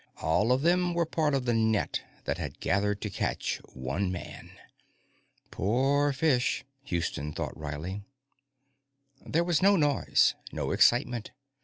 All of them were part of the net that had gathered to catch one man. Poor fish, Houston thought wryly. There was no noise, no excitement.